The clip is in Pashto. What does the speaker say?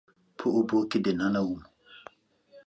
په اوبو کې دننه وم